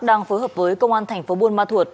đang phối hợp với công an thành phố buôn ma thuột